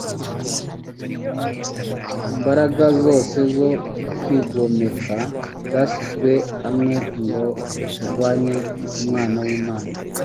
Imbaraga zose zo kwigomeka zashyizwe hamwe ngo zirwanye Umwana w'Imana.